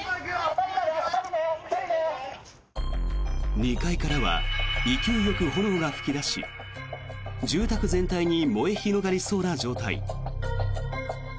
２階からは勢いよく炎が噴き出し住宅全体に燃え広がりそうな状態。